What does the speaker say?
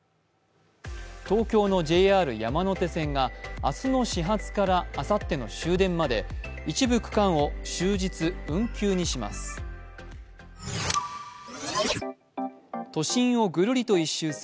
東京のＪＲ山手線が明日の始発からあさっての終電まで、一部区間を終日運休にします。